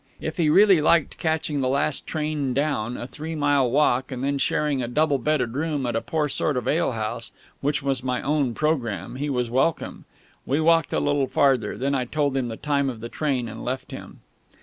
If he really liked catching the last train down, a three mile walk, and then sharing a double bedded room at a poor sort of alehouse (which was my own programme), he was welcome. We walked a little farther; then I told him the time of the train and left him.